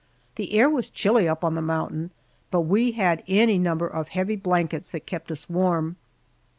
The air was chilly up on the mountain, but we had any number of heavy blankets that kept us warm.